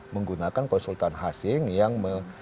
menggunakan konsultan hasing yang